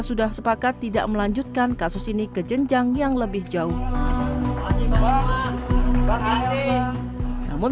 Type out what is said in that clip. sudah sepakat tidak melanjutkan kasus ini ke jenjang yang lebih jauh namun